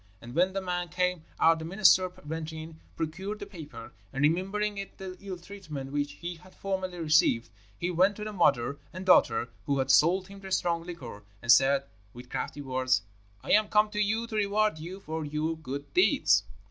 And when the man came out the minister went in, procured the paper, and remembering the ill treatment which he had formerly received, he went to the mother and daughter who had sold him the strong liquor, and said, with crafty words, 'I am come to you to reward you for your good deeds.'